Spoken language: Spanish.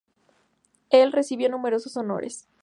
Él recibió numerosos honores.